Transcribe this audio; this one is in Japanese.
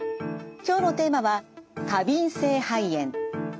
今日のテーマは「過敏性肺炎」。